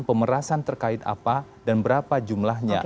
pemerasan terkait apa dan berapa jumlahnya